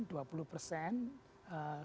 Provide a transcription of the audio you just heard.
selalu kita mencari